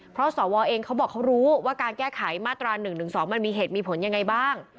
เพราะสวเองเขาบอกเขารู้ว่าการแก้ไขมาตรา๑๑๒มันมีเหตุมีผลยังไงบ้าง